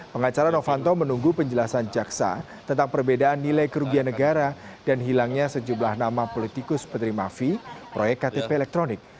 pengacara novanto menunggu penjelasan jaksa tentang perbedaan nilai kerugian negara dan hilangnya sejumlah nama politikus penerima fee proyek ktp elektronik